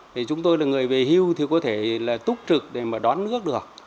thì chúng tôi là người về hưu thì có thể là túc trực để mà đón nước được